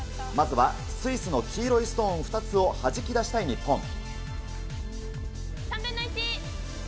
まずはスイスの黄色いストーン２つをはじき出したい日本。